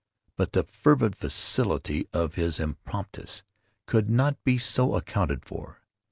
But the fervid facility of his impromptus could not be so accounted for.